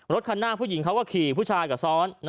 รถคันหน้าผู้หญิงเขาก็ขี่ผู้ชายกับซ้อน